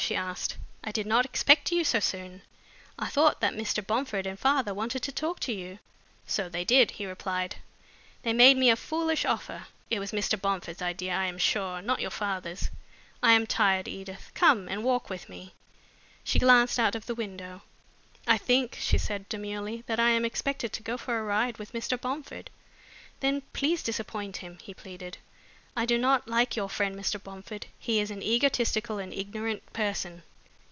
she asked. "I did not expect you so soon. I thought that Mr. Bomford and father wanted to talk to you." "So they did," he replied. "They made me a foolish offer. It was Mr. Bomford's idea, I am sure, not your father's. I am tired, Edith. Come and walk with me." She glanced out of the window. "I think," she said demurely, "that I am expected to go for a ride with Mr. Bomford." "Then please disappoint him," he pleaded. "I do not like your friend Mr. Bomford. He is an egotistical and ignorant person.